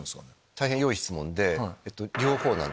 大変よい質問で。